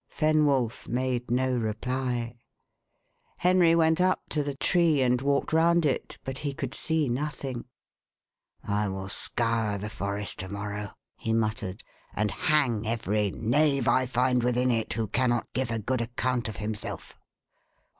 Fenwolf made no reply. Henry went up to the tree, and walked round it, but he could see nothing. "I will scour the forest to morrow," he muttered, "and hang every knave I find within it who cannot give a good account of himself."